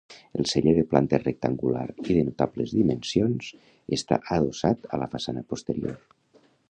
El celler de planta rectangular i de notables dimensions està adossat a la façana posterior.